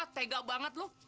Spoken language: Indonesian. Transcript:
tega banget loh